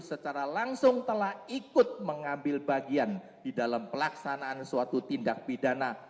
secara langsung telah ikut mengambil bagian di dalam pelaksanaan suatu tindak pidana